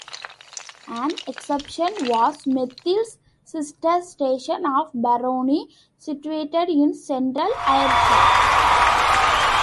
An exception was Methil's sister station of Barony, situated in central Ayrshire.